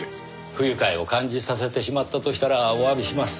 不愉快を感じさせてしまったとしたらおわびします。